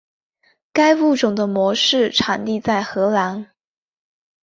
该物种的模式产地在荷兰。